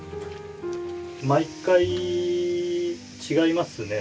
毎回違いますね。